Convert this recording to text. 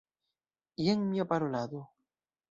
Jen mia parolado.